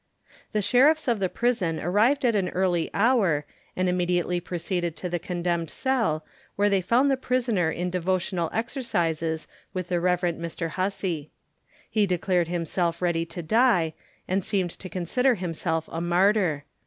The sheriffs of the prison arrived at an early hour, and immediately proceeded to the condemned cell, where they found the prisoner in devotional exercises with the Rev. Mr. Hussey. He declared himself ready to die, and seemed to consider himself a martyr.